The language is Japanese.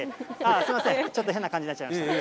すみません、ちょっと変な感じになっちゃいました。